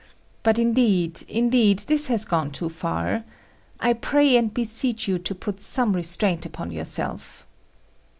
But indeed, indeed, this has gone too far. I pray and beseech you to put some restraint upon yourself."